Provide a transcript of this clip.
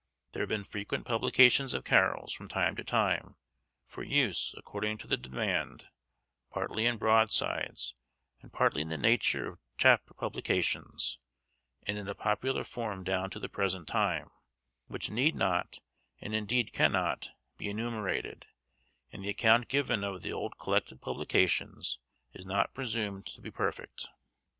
There have been frequent publications of carols, from time to time, for use, according to the demand, partly in broadsides and partly in the nature of chap publications, and in a popular form down to the present time, which need not, and indeed cannot, be enumerated; and the account given of the old collected publications is not presumed to be perfect.